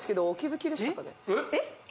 えっ？